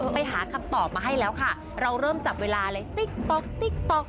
ไปหาคำตอบมาให้แล้วค่ะเราเริ่มจับเวลาเลยติ๊กต๊อกติ๊กต๊อก